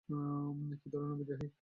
কী ধরণের বিদ্রোহী?